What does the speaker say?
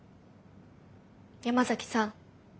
山崎さん